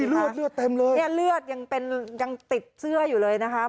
เลือดเลือดเต็มเลยเนี่ยเลือดยังเป็นยังติดเสื้ออยู่เลยนะคะ